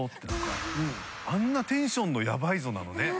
あんなテンションのやばいぞなのね。